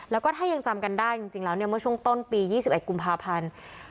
แล้วก็ถ้ายังทำกันได้จริงจริงแล้วเนี่ยเมื่อช่วงต้นปียี่สิบเอ็ดกุมภาพันธุ์